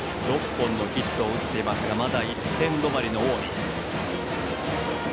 ６本のヒットを打っていますがまだ１点止まりの近江。